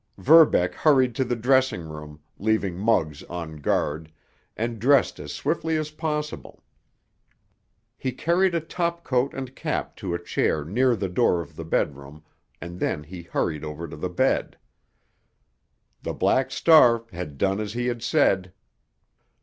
Verbeck hurried to the dressing room, leaving Muggs on guard, and dressed as swiftly as possible. He carried a topcoat and cap to a chair near the door of the bedroom, and then he hurried over to the bed. The Black Star had done as he had said.